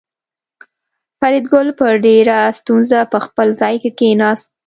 فریدګل په ډېره ستونزه په خپل ځای کې کېناست